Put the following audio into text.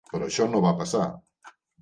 Però això no va passar.